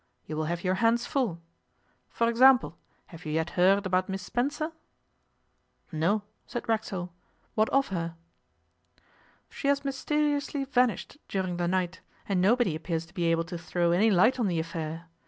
You will have your hands full. For example, have you yet heard about Miss Spencer?' 'No,' said Racksole. 'What of her?' 'She has mysteriously vanished during the night, and nobody appears to be able to throw any light on the affair.